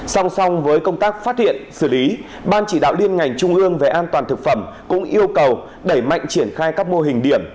song song với công tác phát hiện xử lý ban chỉ đạo liên ngành trung ương về an toàn thực phẩm cũng yêu cầu đẩy mạnh triển khai các mô hình điểm